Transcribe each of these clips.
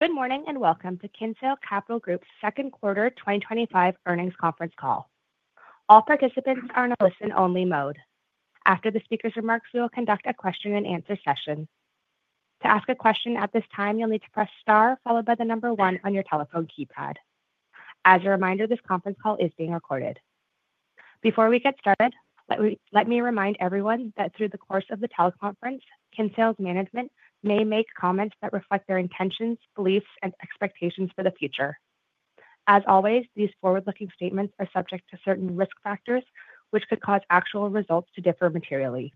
Good morning and welcome to Kinsale Capital Group's second quarter 2025 earnings conference call. All participants are in a listen-only mode. After the speaker's remarks, we will conduct a question-and-answer session. To ask a question at this time, you'll need to press star followed by the number one on your telephone keypad. As a reminder, this conference call is being recorded. Before we get started, let me remind everyone that through the course of the teleconference, Kinsale's management may make comments that reflect their intentions, beliefs, and expectations for the future. As always, these forward-looking statements are subject to certain risk factors, which could cause actual results to differ materially.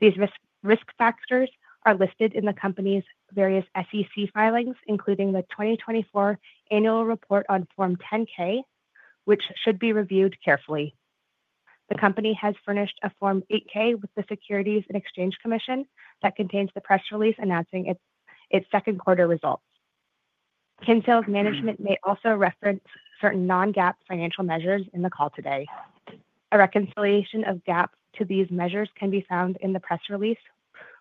These risk factors are listed in the company's various SEC filings, including the 2024 annual report on Form 10-K, which should be reviewed carefully. The company has furnished a Form 8-K with the Securities and Exchange Commission that contains the press release announcing its second quarter results. Kinsale's management may also reference certain non-GAAP financial measures in the call today. A reconciliation of GAAP to these measures can be found in the press release,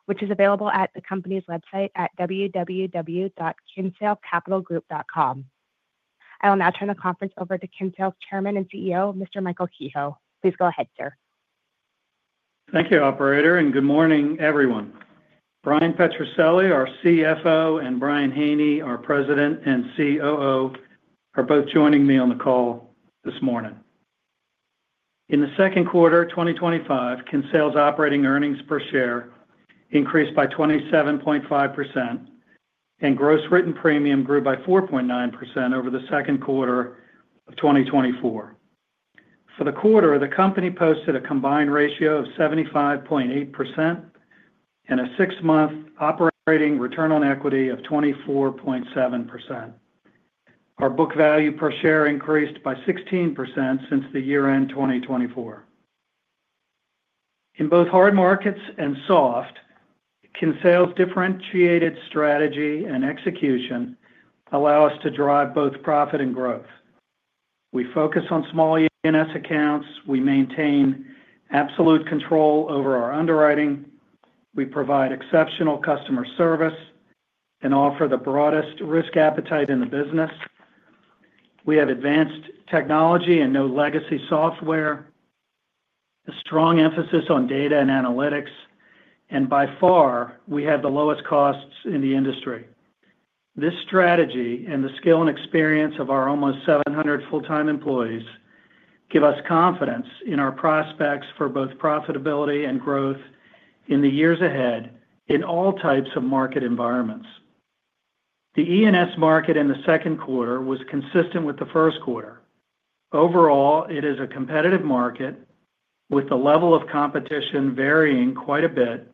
which is available at the company's website at www.KinsaleCapitalGroup.com. I will now turn the conference over to Kinsale's Chairman and CEO, Mr. Michael Kehoe. Please go ahead, sir. Thank you, Operator, and good morning, everyone. Bryan Petrucelli, our CFO, and Brian Haney, our President and COO, are both joining me on the call this morning. In the second quarter 2025, Kinsale's operating earnings per share increased by 27.5%. Gross written premium grew by 4.9% over the second quarter of 2024. For the quarter, the company posted a combined ratio of 75.8% and a six-month operating return on equity of 24.7%. Our book value per share increased by 16% since the year-end 2024. In both hard markets and soft, Kinsale's differentiated strategy and execution allow us to drive both profit and growth. We focus on small E&S accounts. We maintain absolute control over our underwriting. We provide exceptional customer service and offer the broadest risk appetite in the business. We have advanced technology and no legacy software, a strong emphasis on data and analytics, and by far, we have the lowest costs in the industry. This strategy and the skill and experience of our almost 700 full-time employees give us confidence in our prospects for both profitability and growth in the years ahead in all types of market environments. The E&S market in the second quarter was consistent with the first quarter. Overall, it is a competitive market, with the level of competition varying quite a bit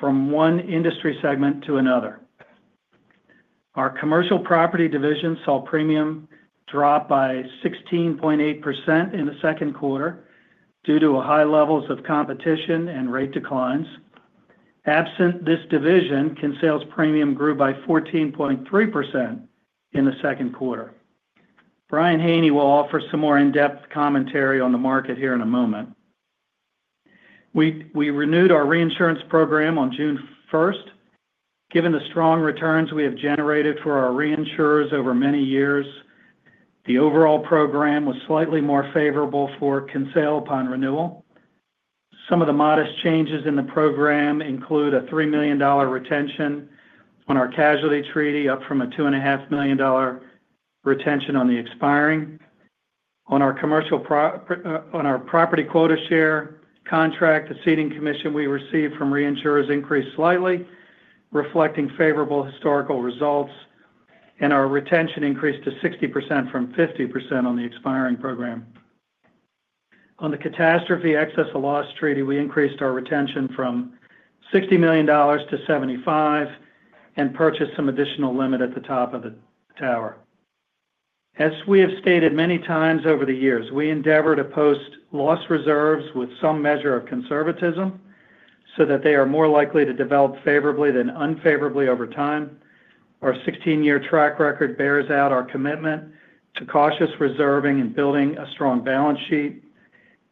from one industry segment to another. Our commercial property division saw premium drop by 16.8% in the second quarter due to high levels of competition and rate declines. Absent this division, Kinsale's premium grew by 14.3% in the second quarter. Brian Haney will offer some more in-depth commentary on the market here in a moment. We renewed our reinsurance program on June 1st. Given the strong returns we have generated for our reinsurers over many years, the overall program was slightly more favorable for Kinsale upon renewal. Some of the modest changes in the program include a $3 million retention on our casualty treaty, up from a $2.5 million retention on the expiring. On our property quota share contract, the seating commission we received from reinsurers increased slightly, reflecting favorable historical results, and our retention increased to 60% from 50% on the expiring program. On the catastrophe excess of loss treaty, we increased our retention from $60 million to $75 million and purchased some additional limit at the top of the tower. As we have stated many times over the years, we endeavor to post loss reserves with some measure of conservatism so that they are more likely to develop favorably than unfavorably over time. Our 16-year track record bears out our commitment to cautious reserving and building a strong balance sheet.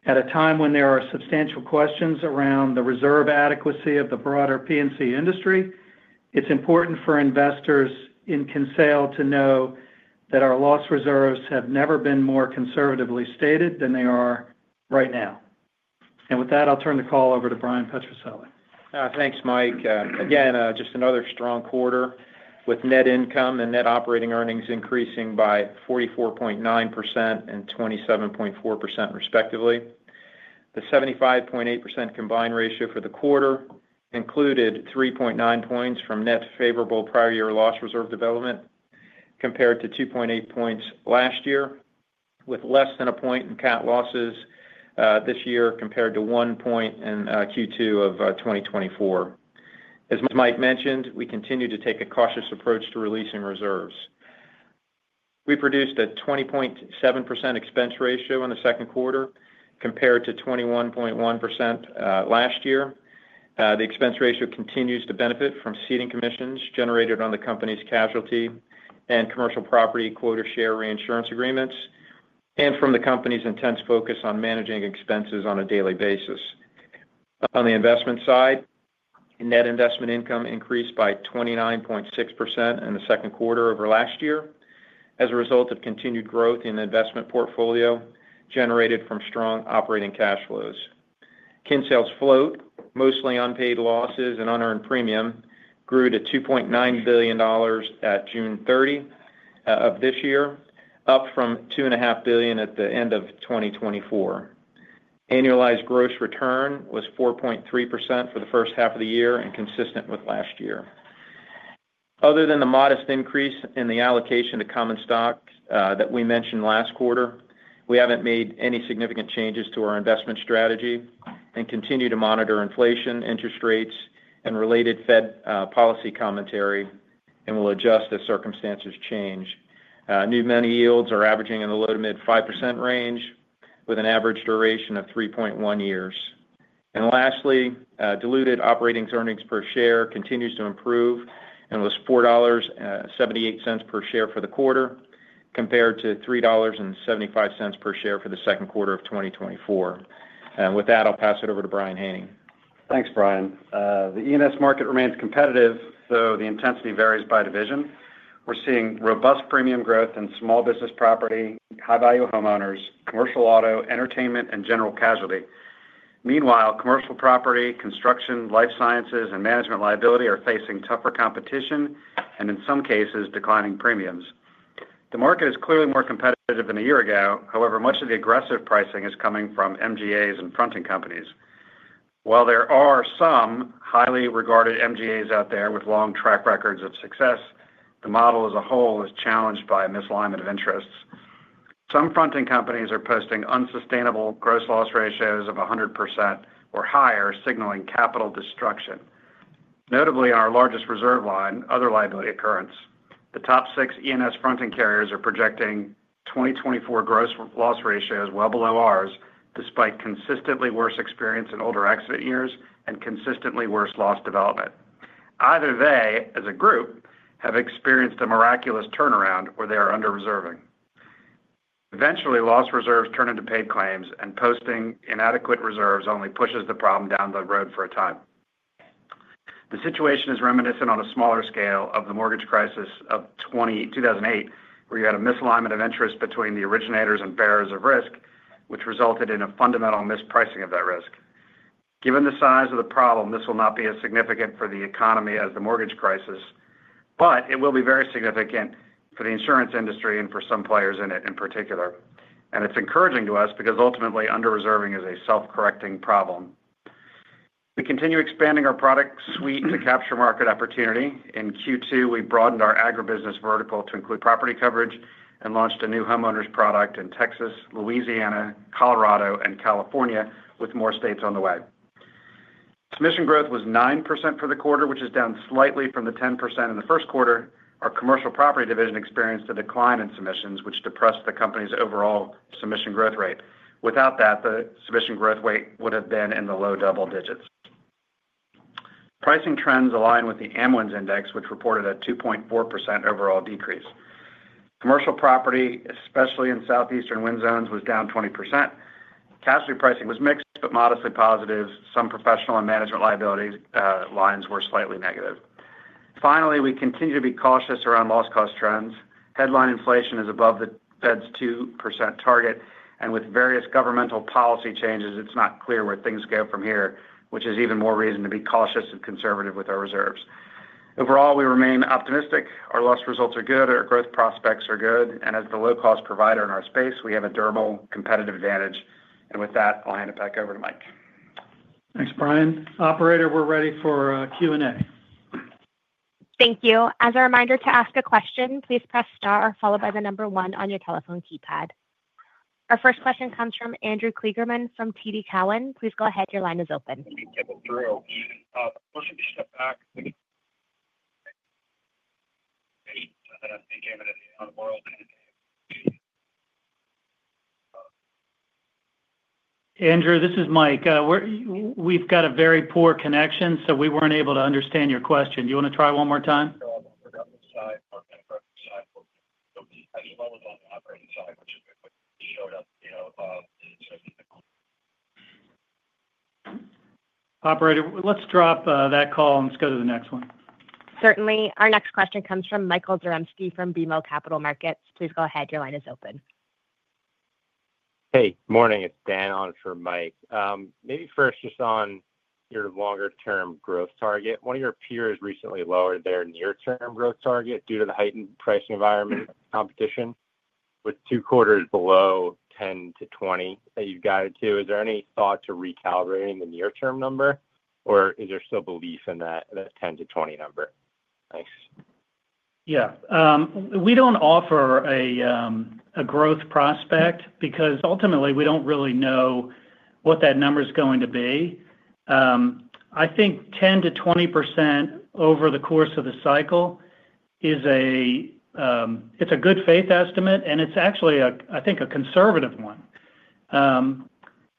At a time when there are substantial questions around the reserve adequacy of the broader P&C industry, it is important for investors in Kinsale to know that our loss reserves have never been more conservatively stated than they are right now. With that, I'll turn the call over to Bryan Petrucelli. Thanks, Mike. Again, just another strong quarter with net income and net operating earnings increasing by 44.9% and 27.4%, respectively. The 75.8% combined ratio for the quarter included 3.9 points from net favorable prior-year loss reserve development. Compared to 2.8 points last year, with less than a point in cat losses this year compared to one point in Q2 of 2024. As Mike mentioned, we continue to take a cautious approach to releasing reserves. We produced a 20.7% expense ratio in the second quarter compared to 21.1% last year. The expense ratio continues to benefit from ceding commissions generated on the company's casualty and commercial property quota share reinsurance agreements and from the company's intense focus on managing expenses on a daily basis. On the investment side, net investment income increased by 29.6% in the second quarter over last year as a result of continued growth in investment portfolio generated from strong operating cash flows. Kinsale's float, mostly unpaid losses and unearned premium, grew to $2.9 billion at June 30 of this year, up from $2.5 billion at the end of 2024. Annualized gross return was 4.3% for the first half of the year and consistent with last year. Other than the modest increase in the allocation to common stock that we mentioned last quarter, we have not made any significant changes to our investment strategy and continue to monitor inflation, interest rates, and related Fed policy commentary and will adjust as circumstances change. New money yields are averaging in the low to mid 5% range with an average duration of 3.1 years. Lastly, diluted operating earnings per share continues to improve and was $4.78 per share for the quarter compared to $3.75 per share for the second quarter of 2024. With that, I'll pass it over to Brian Haney. Thanks, Brian. The E&S market remains competitive, though the intensity varies by division. We're seeing robust premium growth in small business property, high-value homeowners, commercial auto, entertainment, and general casualty. Meanwhile, commercial property, construction, life sciences, and management liability are facing tougher competition and, in some cases, declining premiums. The market is clearly more competitive than a year ago. However, much of the aggressive pricing is coming from MGAs and fronting companies. While there are some highly regarded MGAs out there with long track records of success, the model as a whole is challenged by a misalignment of interests. Some fronting companies are posting unsustainable gross loss ratios of 100% or higher, signaling capital destruction. Notably, on our largest reserve line, other liability occurrence, the top six E&S fronting carriers are projecting 2024 gross loss ratios well below ours, despite consistently worse experience in older exit years and consistently worse loss development. Either they, as a group, have experienced a miraculous turnaround or they are under-reserving. Eventually, loss reserves turn into paid claims, and posting inadequate reserves only pushes the problem down the road for a time. The situation is reminiscent on a smaller scale of the mortgage crisis of 2008, where you had a misalignment of interest between the originators and bearers of risk, which resulted in a fundamental mispricing of that risk. Given the size of the problem, this will not be as significant for the economy as the mortgage crisis, but it will be very significant for the insurance industry and for some players in it in particular. It is encouraging to us because, ultimately, under-reserving is a self-correcting problem. We continue expanding our product suite to capture market opportunity. In Q2, we broadened our agribusiness vertical to include property coverage and launched a new homeowners product in Texas, Louisiana, Colorado, and California, with more states on the way. Submission growth was 9% for the quarter, which is down slightly from the 10% in the first quarter. Our commercial property division experienced a decline in submissions, which depressed the company's overall submission growth rate. Without that, the submission growth rate would have been in the low double digits. Pricing trends align with the Amwins index, which reported a 2.4% overall decrease. Commercial property, especially in southeastern wind zones, was down 20%. Casualty pricing was mixed but modestly positive. Some professional and management liability lines were slightly negative. Finally, we continue to be cautious around loss cost trends. Headline inflation is above the Fed's 2% target, and with various governmental policy changes, it's not clear where things go from here, which is even more reason to be cautious and conservative with our reserves. Overall, we remain optimistic. Our loss results are good. Our growth prospects are good. As the low-cost provider in our space, we have a durable competitive advantage. With that, I'll hand it back over to Mike. Thanks, Brian. Operator, we're ready for Q&A. Thank you. As a reminder to ask a question, please press star followed by the number one on your telephone keypad. Our first question comes from Andrew Kligerman from TD Cowen. Please go ahead. Your line is open. Andrew, this is Mike. We've got a very poor connection, so we weren't able to understand your question. Do you want to try one more time? Operator, let's drop that call and let's go to the next one. Certainly. Our next question comes from Michael Zaremski from BMO Capital Markets. Please go ahead. Your line is open. Hey, morning. It's Dan on for Mike. Maybe first, just on your longer-term growth target, one of your peers recently lowered their near-term growth target due to the heightened pricing environment competition, with two quarters below 10%-20% that you've guided to. Is there any thought to recalibrating the near-term number, or is there still belief in that 10%-20% number? Thanks. Yeah. We don't offer a growth prospect because, ultimately, we don't really know what that number is going to be. I think 10%-20% over the course of the cycle is a good faith estimate, and it's actually, I think, a conservative one.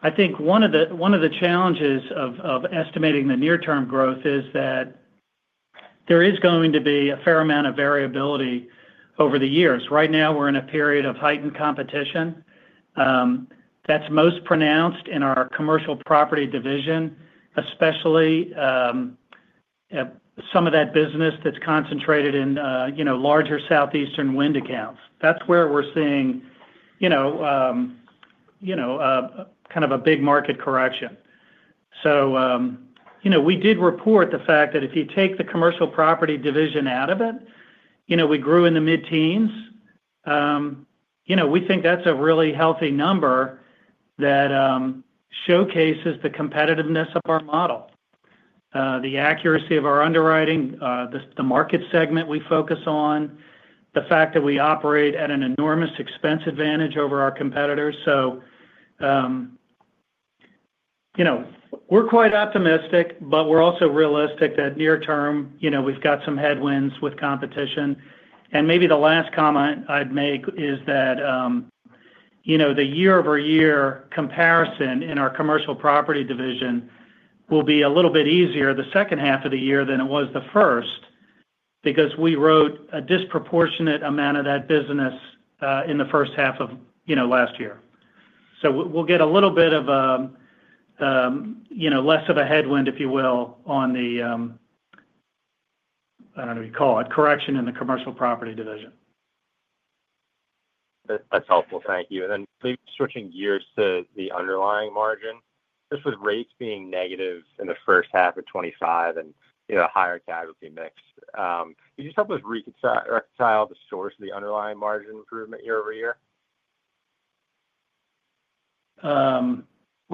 I think one of the challenges of estimating the near-term growth is that there is going to be a fair amount of variability over the years. Right now, we're in a period of heightened competition. That's most pronounced in our commercial property division, especially some of that business that's concentrated in larger southeastern wind accounts. That's where we're seeing kind of a big market correction. We did report the fact that if you take the commercial property division out of it, we grew in the mid-teens. We think that's a really healthy number that showcases the competitiveness of our model, the accuracy of our underwriting, the market segment we focus on, the fact that we operate at an enormous expense advantage over our competitors. We're quite optimistic, but we're also realistic that near-term, we've got some headwinds with competition. Maybe the last comment I'd make is that the year-over-year comparison in our commercial property division will be a little bit easier the second half of the year than it was the first because we wrote a disproportionate amount of that business in the first half of last year. We'll get a little bit less of a headwind, if you will, on the, I don't know what you call it, correction in the commercial property division. That's helpful. Thank you. Maybe switching gears to the underlying margin, just with rates being negative in the first half of 2025 and a higher casualty mix, could you help us reconcile the source of the underlying margin improvement year over year?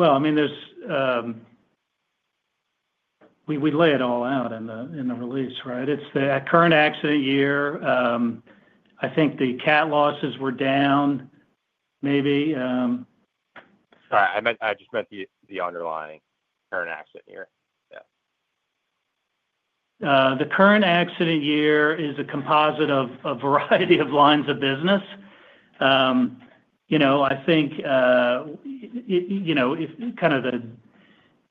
I mean, we lay it all out in the release, right? It's the current accident year. I think the cap losses were down. Maybe. Sorry, I just meant the underlying current accident year. Yeah. The current accident year is a composite of a variety of lines of business. I think kind of the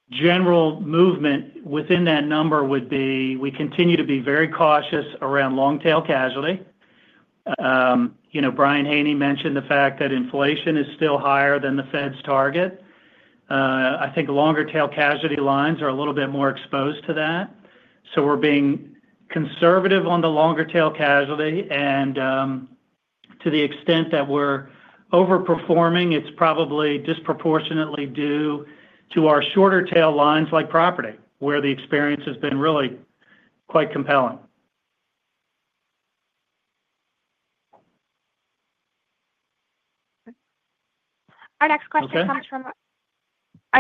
general movement within that number would be we continue to be very cautious around long-tail casualty. Brian Haney mentioned the fact that inflation is still higher than the Fed's target. I think longer-tail casualty lines are a little bit more exposed to that. We are being conservative on the longer-tail casualty. To the extent that we are overperforming, it is probably disproportionately due to our shorter-tail lines like property, where the experience has been really quite compelling. Okay. Our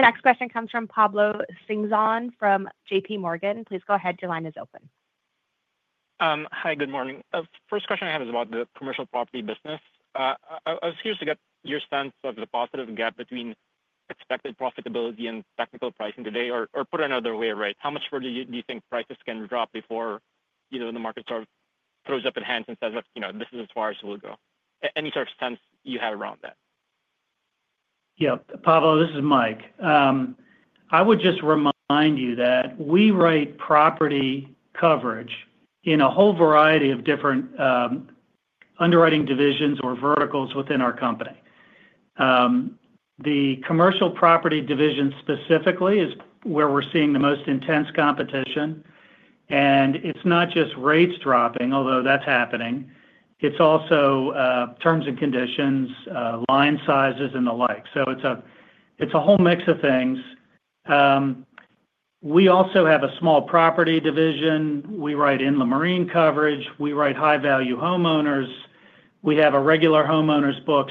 next question comes from Pablo Singzon from JPMorgan. Please go ahead. Your line is open. Hi, good morning. First question I have is about the commercial property business. I was curious to get your sense of the positive gap between expected profitability and technical pricing today, or put it another way, right? How much further do you think prices can drop before the market sort of throws up its hands and says, "This is as far as we'll go"? Any sort of sense you have around that? Yeah. Pablo, this is Mike. I would just remind you that we write property coverage in a whole variety of different underwriting divisions or verticals within our company. The commercial property division specifically is where we're seeing the most intense competition. It's not just rates dropping, although that's happening. It's also terms and conditions, line sizes, and the like. It's a whole mix of things. We also have a small property division. We write inland marine coverage. We write high-value homeowners. We have a regular homeowners book.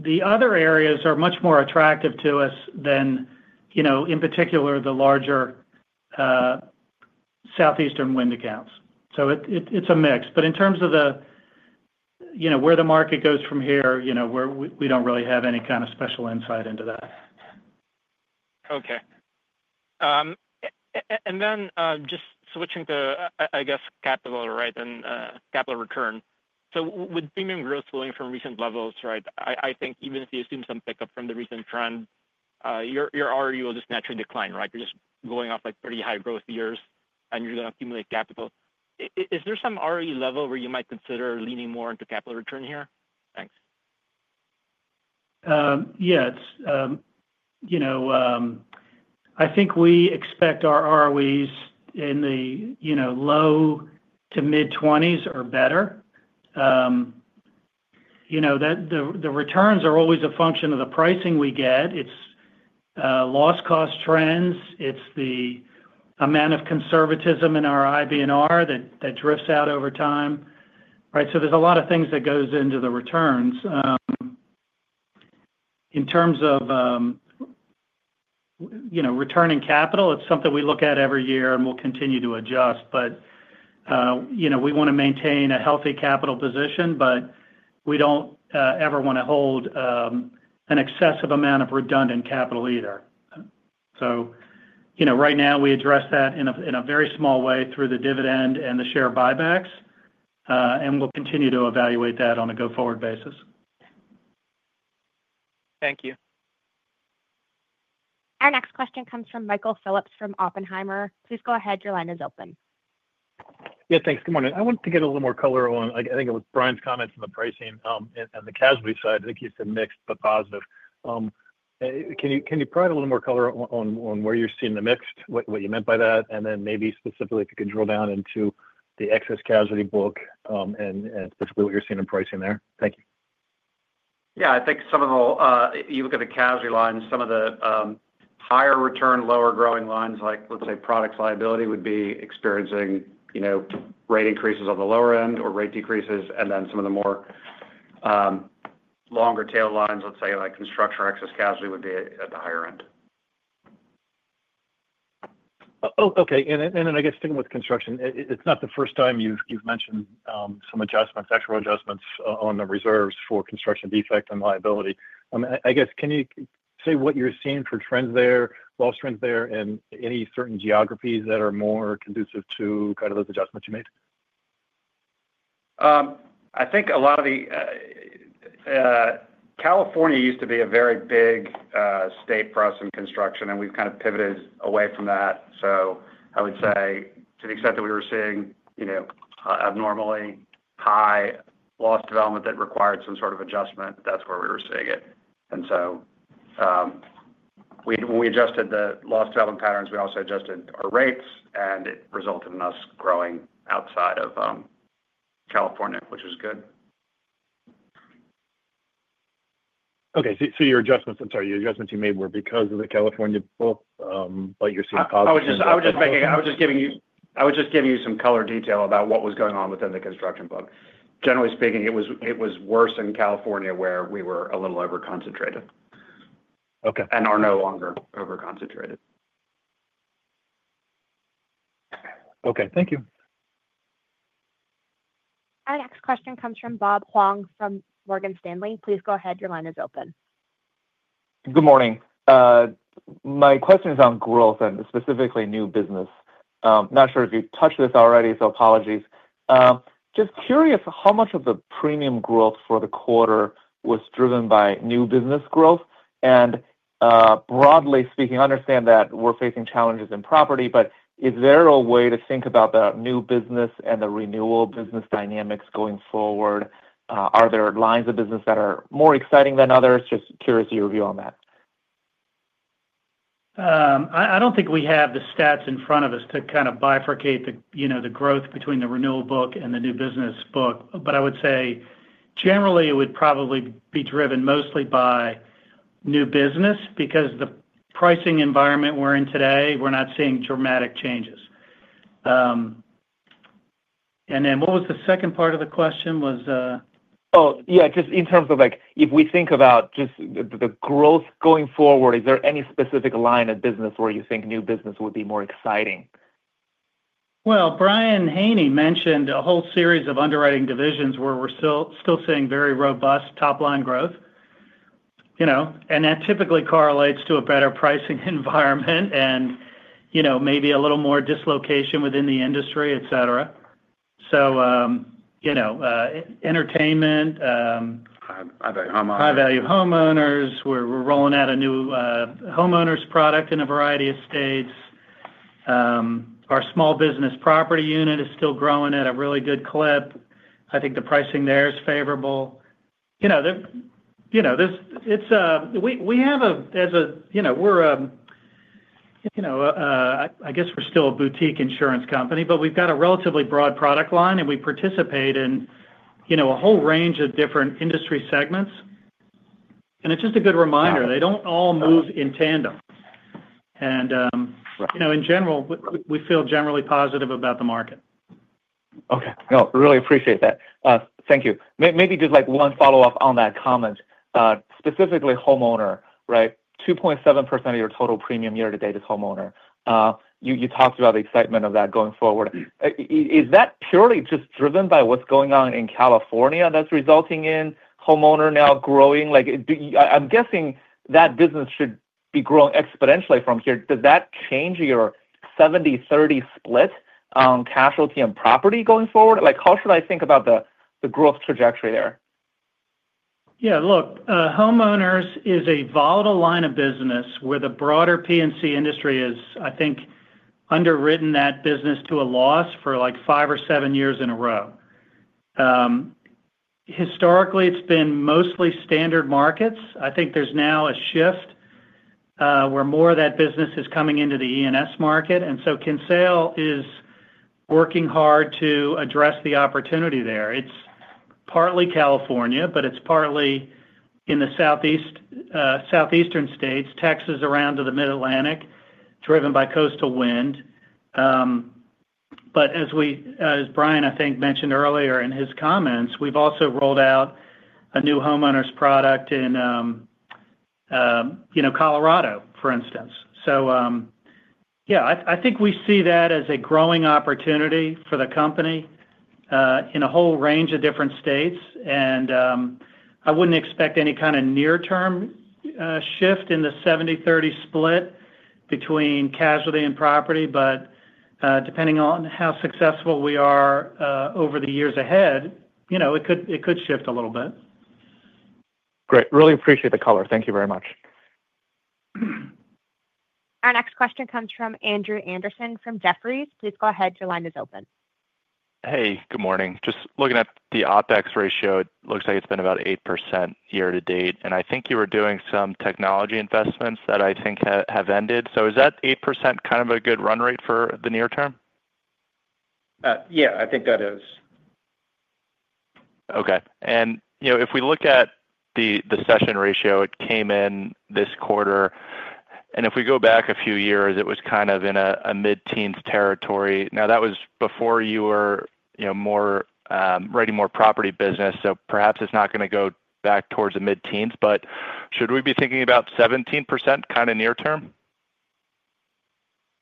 The other areas are much more attractive to us than, in particular, the larger Southeastern wind accounts. It's a mix. In terms of where the market goes from here, we don't really have any kind of special insight into that. Okay. And then just switching to, I guess, capital, right, and capital return. With premium growth flowing from recent levels, right, I think even if you assume some pickup from the recent trend, your ROE will just naturally decline, right? You're just going off pretty high growth years, and you're going to accumulate capital. Is there some ROE level where you might consider leaning more into capital return here? Thanks. Yeah. I think we expect our ROEs in the low to mid-20s or better. The returns are always a function of the pricing we get. It's loss cost trends. It's the amount of conservatism in our IBNR that drifts out over time, right? So there's a lot of things that go into the returns. In terms of returning capital, it's something we look at every year, and we'll continue to adjust. We want to maintain a healthy capital position, but we don't ever want to hold an excessive amount of redundant capital either. Right now, we address that in a very small way through the dividend and the share buybacks. We'll continue to evaluate that on a go-forward basis. Thank you. Our next question comes from Michael Phillips from Oppenheimer. Please go ahead. Your line is open. Yeah, thanks. Good morning. I wanted to get a little more color on, I think, it was Brian's comments on the pricing and the casualty side. I think he said mixed but positive. Can you provide a little more color on where you're seeing the mixed, what you meant by that, and then maybe specifically, if you could drill down into the excess casualty book and specifically what you're seeing in pricing there? Thank you. Yeah. I think some of the you look at the casualty lines, some of the higher-return, lower-growing lines, like, let's say, product liability, would be experiencing rate increases on the lower end or rate decreases. And then some of the more longer-tail lines, let's say, like construction or excess casualty, would be at the higher end. Oh, okay. I guess, sticking with construction, it's not the first time you've mentioned some adjustments, actual adjustments on the reserves for construction defect and liability. I mean, I guess, can you say what you're seeing for trends there, loss trends there, and any certain geographies that are more conducive to kind of those adjustments you made? I think a lot of the California used to be a very big state for us in construction, and we've kind of pivoted away from that. I would say, to the extent that we were seeing abnormally high loss development that required some sort of adjustment, that's where we were seeing it. When we adjusted the loss development patterns, we also adjusted our rates, and it resulted in us growing outside of California, which was good. Okay. Your adjustments—I'm sorry, your adjustments you made were because of the California book, but you're seeing positive? I was just giving you some color detail about what was going on within the construction book. Generally speaking, it was worse in California where we were a little overconcentrated. Okay. We are no longer overconcentrated. Okay. Thank you. Our next question comes from Bob Huang from Morgan Stanley. Please go ahead. Your line is open. Good morning. My question is on growth and specifically new business. Not sure if you touched this already, so apologies. Just curious how much of the premium growth for the quarter was driven by new business growth. Broadly speaking, I understand that we're facing challenges in property, but is there a way to think about the new business and the renewal business dynamics going forward? Are there lines of business that are more exciting than others? Just curious of your view on that. I don't think we have the stats in front of us to kind of bifurcate the growth between the renewal book and the new business book. But I would say, generally, it would probably be driven mostly by new business because the pricing environment we're in today, we're not seeing dramatic changes. And then what was the second part of the question? Oh, yeah. Just in terms of if we think about just the growth going forward, is there any specific line of business where you think new business would be more exciting? Brian Haney mentioned a whole series of underwriting divisions where we're still seeing very robust top-line growth. And that typically correlates to a better pricing environment and. Maybe a little more dislocation within the industry, etc. So. Entertainment. High-value homeowners. High-value homeowners. We're rolling out a new homeowners product in a variety of states. Our small business property unit is still growing at a really good clip. I think the pricing there is favorable. We're still a boutique insurance company, but we've got a relatively broad product line, and we participate in a whole range of different industry segments. It's just a good reminder. They don't all move in tandem. In general, we feel generally positive about the market. Okay. No, really appreciate that. Thank you. Maybe just one follow-up on that comment. Specifically homeowner, right? 2.7% of your total premium year-to-date is homeowner. You talked about the excitement of that going forward. Is that purely just driven by what's going on in California that's resulting in homeowner now growing? I'm guessing that business should be growing exponentially from here. Does that change your 70/30 split on casualty and property going forward? How should I think about the growth trajectory there? Yeah. Look, homeowners is a volatile line of business where the broader P&C industry is, I think, underwritten that business to a loss for five or seven years in a row. Historically, it's been mostly standard markets. I think there's now a shift where more of that business is coming into the E&S market. And so Kinsale is working hard to address the opportunity there. It's partly California, but it's partly in the Southeastern States, Texas around to the Mid-Atlantic, driven by coastal wind. As Brian, I think, mentioned earlier in his comments, we've also rolled out a new homeowners product in Colorado, for instance. Yeah, I think we see that as a growing opportunity for the company in a whole range of different states. I wouldn't expect any kind of near-term shift in the 70/30 split between casualty and property. Depending on how successful we are over the years ahead, it could shift a little bit. Great. Really appreciate the color. Thank you very much. Our next question comes from Andrew Andersen from Jefferies. Please go ahead. Your line is open. Hey, good morning. Just looking at the OpEx ratio, it looks like it's been about 8% year-to-date. I think you were doing some technology investments that I think have ended. Is that 8% kind of a good run rate for the near term? Yeah, I think that is. Okay. If we look at the session ratio, it came in this quarter. If we go back a few years, it was kind of in a mid-teens territory. That was before you were writing more property business. Perhaps it is not going to go back towards the mid-teens. Should we be thinking about 17% kind of near term?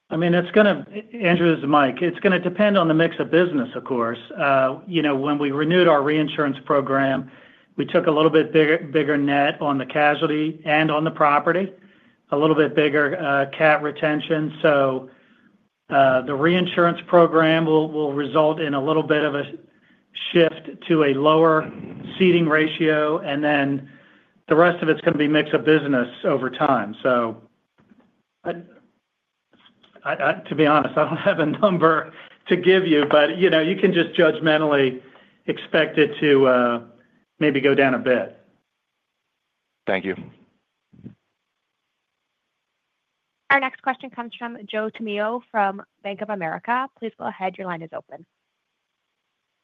I mean, it's going to—Andrew, this is Mike. It's going to depend on the mix of business, of course. When we renewed our reinsurance program, we took a little bit bigger net on the casualty and on the property, a little bit bigger cap retention. The reinsurance program will result in a little bit of a shift to a lower ceding ratio. The rest of it's going to be mix of business over time. To be honest, I don't have a number to give you, but you can just judgmentally expect it to maybe go down a bit. Thank you. Our next question comes from Joe Tummillo from Bank of America. Please go ahead. Your line is open.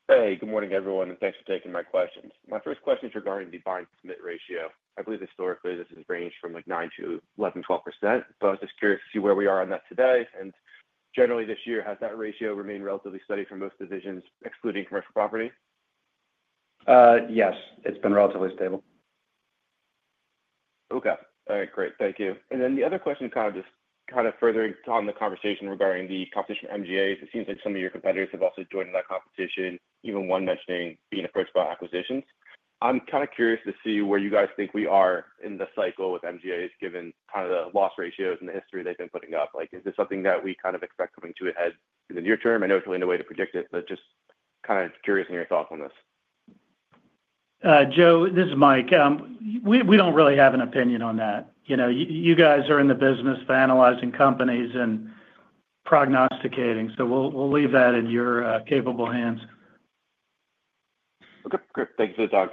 Hey, good morning, everyone. Thanks for taking my questions. My first question is regarding the buying permit ratio. I believe historically this has ranged from 9-11, 12%. I was just curious to see where we are on that today. Generally this year, has that ratio remained relatively steady for most divisions, excluding commercial property? Yes. It's been relatively stable. Okay. All right. Great. Thank you. The other question, kind of just furthering on the conversation regarding the competition from MGAs, it seems like some of your competitors have also joined that competition, even one mentioning being approached by acquisitions. I'm kind of curious to see where you guys think we are in the cycle with MGAs, given kind of the loss ratios and the history they've been putting up. Is this something that we kind of expect coming to a head in the near term? I know it's really no way to predict it, but just kind of curious on your thoughts on this. Joe, this is Mike. We do not really have an opinion on that. You guys are in the business of analyzing companies and prognosticating. We will leave that in your capable hands. Okay. Great. Thank you for the talk.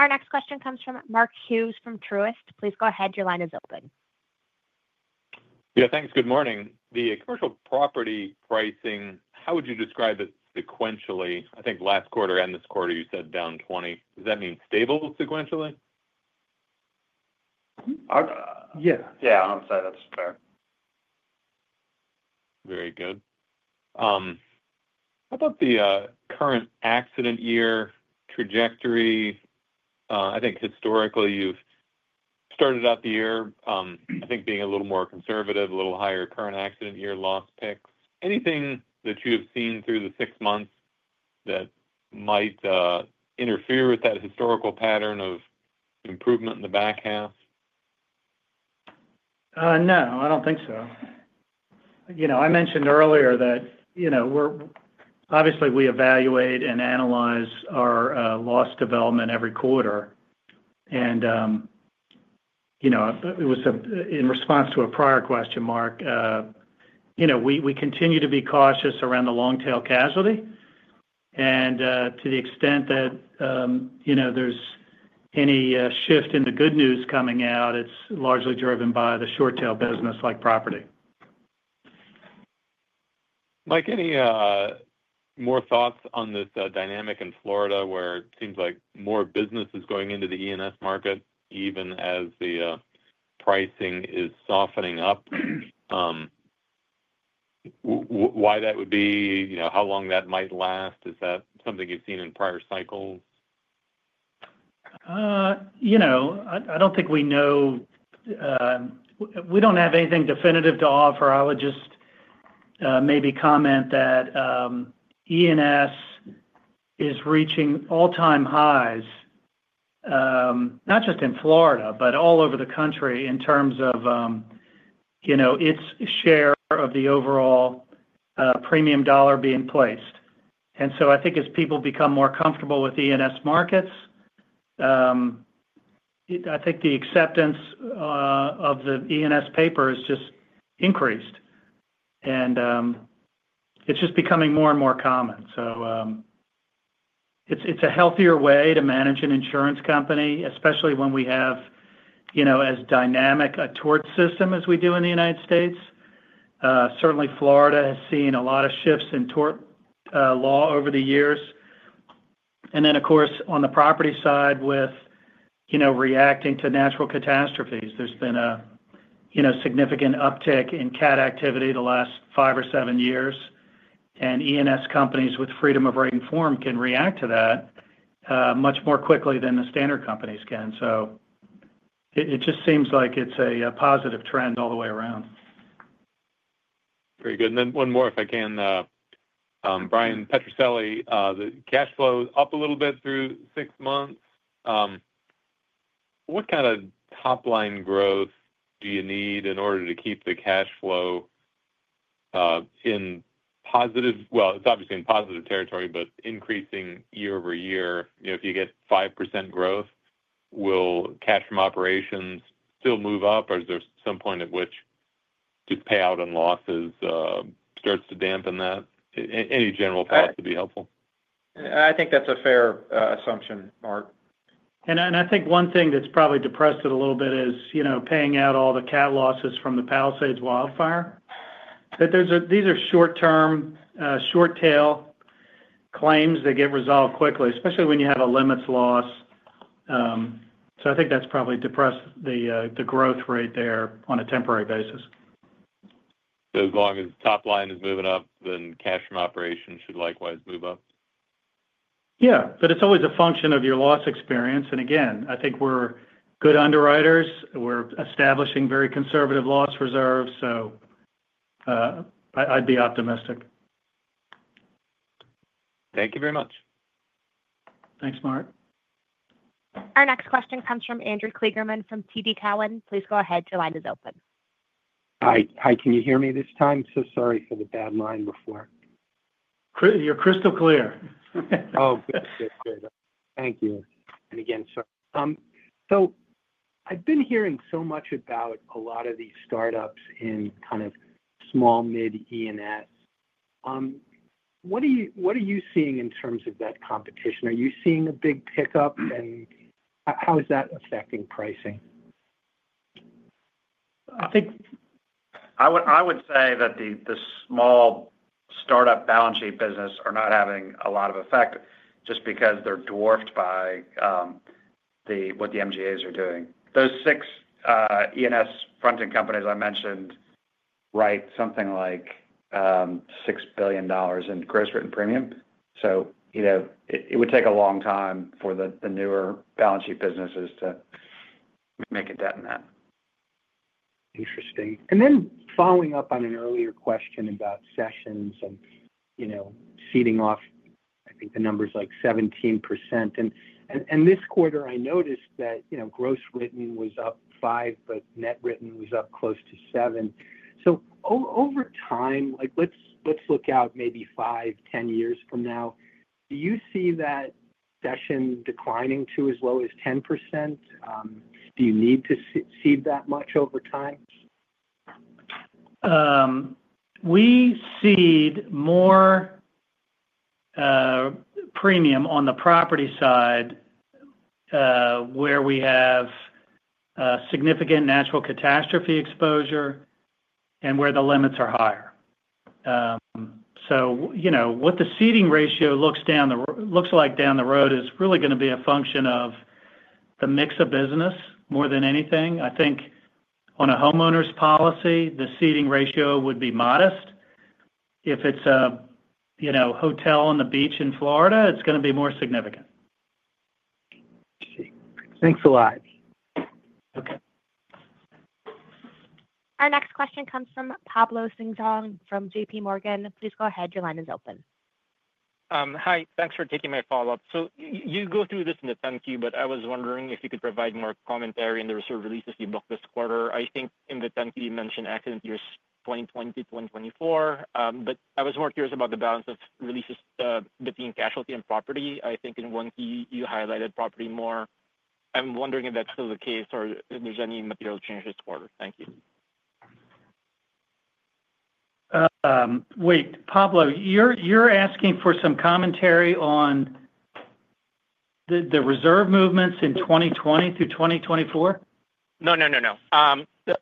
Our next question comes from Mark Hughes from Truist. Please go ahead. Your line is open. Yeah. Thanks. Good morning. The commercial property pricing, how would you describe it sequentially? I think last quarter and this quarter, you said down 20%. Does that mean stable sequentially? Yeah. Yeah. I'm sorry. That's fair. Very good. How about the current accident year trajectory? I think historically, you've started out the year, I think, being a little more conservative, a little higher current accident year loss picks. Anything that you have seen through the six months that might interfere with that historical pattern of improvement in the back half? No. I do not think so. I mentioned earlier that, obviously, we evaluate and analyze our loss development every quarter. It was in response to a prior question, Mark. We continue to be cautious around the long-tail casualty. To the extent that there is any shift in the good news coming out, it is largely driven by the short-tail business like property. Mike, any more thoughts on this dynamic in Florida where it seems like more business is going into the E&S market, even as the pricing is softening up? Why that would be, how long that might last, is that something you've seen in prior cycles? I don't think we know. We don't have anything definitive to offer. I would just maybe comment that E&S is reaching all-time highs, not just in Florida, but all over the country in terms of its share of the overall premium dollar being placed. I think as people become more comfortable with E&S markets, the acceptance of the E&S paper has just increased. It's just becoming more and more common. It's a healthier way to manage an insurance company, especially when we have as dynamic a tort system as we do in the United States. Certainly, Florida has seen a lot of shifts in tort law over the years. Of course, on the property side with reacting to natural catastrophes, there's been a significant uptick in cat activity the last five or seven years. E&S companies with freedom of writing form can react to that much more quickly than the standard companies can. It just seems like it's a positive trend all the way around. Very good. And then one more, if I can. Bryan Petrucelli, the cash flow is up a little bit through six months. What kind of top-line growth do you need in order to keep the cash flow in positive—well, it's obviously in positive territory—but increasing year over year? If you get 5% growth, will cash from operations still move up, or is there some point at which just payout and losses start to dampen that? Any general thoughts would be helpful. I think that's a fair assumption, Mark. I think one thing that's probably depressed it a little bit is paying out all the cat losses from the Palisades wildfire. These are short-term, short-tail. Claims that get resolved quickly, especially when you have a limits loss. I think that's probably depressed the growth rate there on a temporary basis. As long as top-line is moving up, then cash from operations should likewise move up. Yeah. It's always a function of your loss experience. Again, I think we're good underwriters. We're establishing very conservative loss reserves. So, I'd be optimistic. Thank you very much. Thanks, Mark. Our next question comes from Andrew Kligerman from TD Cowen. Please go ahead. Your line is open. Hi. Can you hear me this time? So sorry for the bad line before. You're crystal clear. Oh, good. Good, good. Thank you. Again, sorry. I've been hearing so much about a lot of these startups in kind of small, mid-E&S. What are you seeing in terms of that competition? Are you seeing a big pickup? How is that affecting pricing? I think I would say that the small startup balance sheet business are not having a lot of effect just because they're dwarfed by what the MGAs are doing. Those six E&S front-end companies I mentioned write something like $6 billion in gross written premium. It would take a long time for the newer balance sheet businesses to make a dent in that. Interesting. Following up on an earlier question about sessions and seeding off, I think the number is like 17%. This quarter, I noticed that gross written was up five, but net written was up close to seven. Over time, let's look out maybe five to 10 years from now. Do you see that session declining to as low as 10%? Do you need to seed that much over time? We cede more premium on the property side where we have significant natural catastrophe exposure and where the limits are higher. What the ceding ratio looks like down the road is really going to be a function of the mix of business more than anything. I think on a homeowner's policy, the ceding ratio would be modest. If it is a hotel on the beach in Florida, it is going to be more significant. Thanks a lot. Okay. Our next question comes from Pablo Singzon from JPMorgan. Please go ahead. Your line is open. Hi. Thanks for taking my follow-up. You go through this in the 10Q, but I was wondering if you could provide more commentary on the reserve releases you booked this quarter. I think in the 10Q, you mentioned accident years 2020, 2024. I was more curious about the balance of releases between casualty and property. I think in one key, you highlighted property more. I'm wondering if that's still the case or if there's any material change this quarter. Thank you. Wait, Pablo, you're asking for some commentary on the reserve movements in 2020 through 2024? No, no, no, no.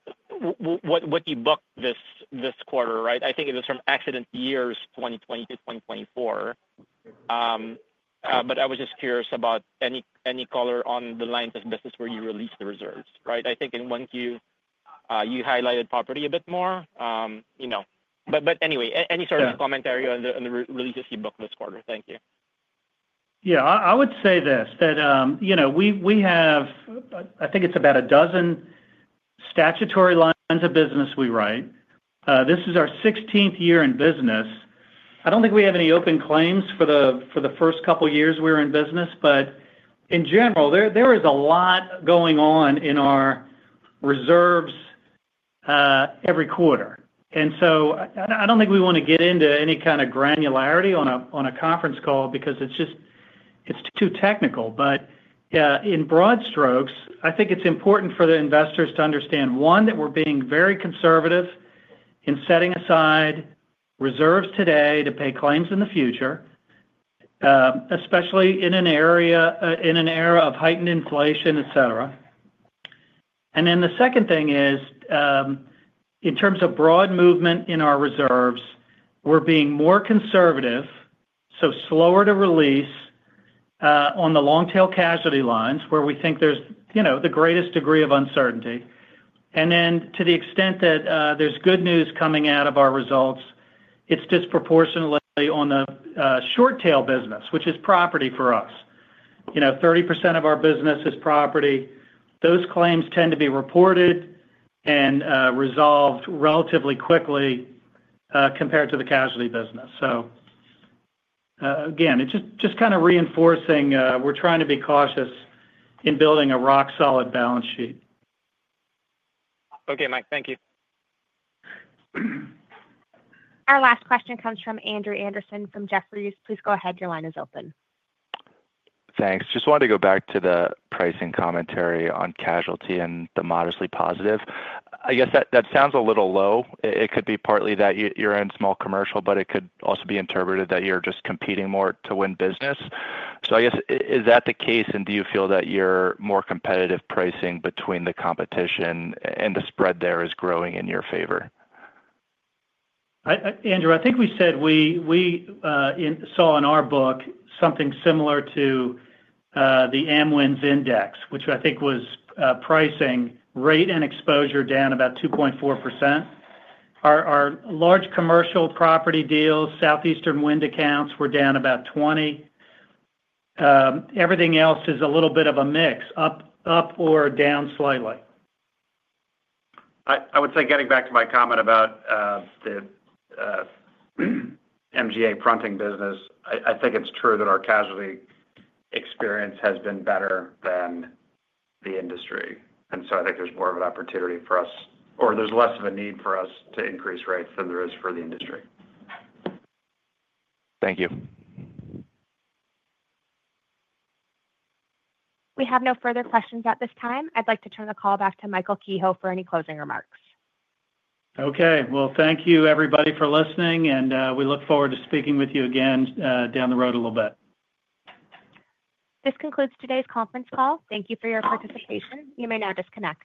What you booked this quarter, right? I think it was from accident years 2020 to 2024. I was just curious about any color on the lines of business where you released the reserves, right? I think in one key, you highlighted property a bit more. Anyway, any sort of commentary on the releases you booked this quarter? Thank you. Yeah. I would say this, that. We have—I think it's about a dozen statutory lines of business we write. This is our 16th year in business. I don't think we have any open claims for the first couple of years we're in business. In general, there is a lot going on in our reserves every quarter. I don't think we want to get into any kind of granularity on a conference call because it's just too technical. In broad strokes, I think it's important for the investors to understand, one, that we're being very conservative in setting aside reserves today to pay claims in the future, especially in an area of heightened inflation, etc. The second thing is, in terms of broad movement in our reserves, we're being more conservative, so slower to release on the long-tail casualty lines where we think there's the greatest degree of uncertainty. To the extent that there's good news coming out of our results, it's disproportionately on the short-tail business, which is property for us. 30% of our business is property. Those claims tend to be reported and resolved relatively quickly compared to the casualty business. Again, it's just kind of reinforcing we're trying to be cautious in building a rock-solid balance sheet. Okay, Mike. Thank you. Our last question comes from Andrew Andersen from Jefferies. Please go ahead. Your line is open. Thanks. Just wanted to go back to the pricing commentary on casualty and the modestly positive. I guess that sounds a little low. It could be partly that you're in small commercial, but it could also be interpreted that you're just competing more to win business. I guess, is that the case, and do you feel that you're more competitive pricing between the competition and the spread there is growing in your favor? Andrew, I think we said we saw in our book something similar to the Amwins Index, which I think was pricing rate and exposure down about 2.4%. Our large commercial property deals, Southeastern Wind accounts were down about 20%. Everything else is a little bit of a mix, up or down slightly. I would say getting back to my comment about the MGA front-end business, I think it's true that our casualty experience has been better than the industry. I think there's more of an opportunity for us, or there's less of a need for us to increase rates than there is for the industry. Thank you. We have no further questions at this time. I'd like to turn the call back to Michael Kehoe for any closing remarks. Thank you, everybody, for listening. And we look forward to speaking with you again down the road a little bit. This concludes today's conference call. Thank you for your participation. You may now disconnect.